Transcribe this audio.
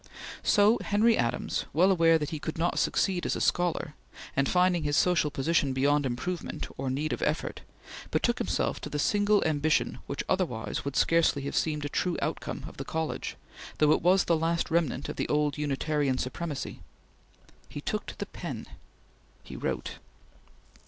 So Henry Adams, well aware that he could not succeed as a scholar, and finding his social position beyond improvement or need of effort, betook himself to the single ambition which otherwise would scarcely have seemed a true outcome of the college, though it was the last remnant of the old Unitarian supremacy. He took to the pen. He wrote.